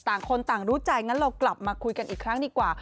ต่างคนต่างรู้ใจงั้นเรากลับมาคุยกันอีกครั้งดีกว่า